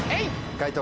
解答